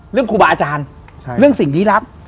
ครูบาอาจารย์เรื่องสิ่งลี้ลับ